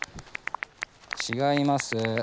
違います。